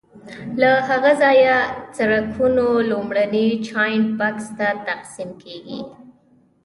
له هغه ځایه سرکټونو لومړني جاینټ بکس ته تقسیم کېږي.